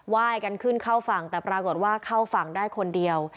ยกันขึ้นเข้าฝั่งแต่ปรากฏว่าเข้าฝั่งได้คนเดียว